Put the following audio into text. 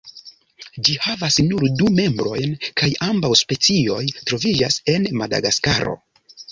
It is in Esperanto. Ĝi havas nur du membrojn kaj ambaŭ specioj troviĝas en Madagaskaro.